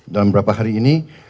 dalam beberapa hari ini